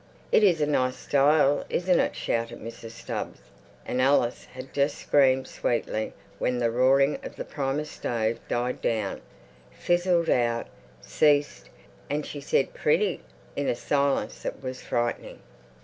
"It is a nice style, isn't it?" shouted Mrs. Stubbs; and Alice had just screamed "Sweetly" when the roaring of the Primus stove died down, fizzled out, ceased, and she said "Pretty" in a silence that was frightening.